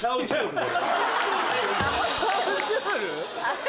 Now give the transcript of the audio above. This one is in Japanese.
チャオチュール？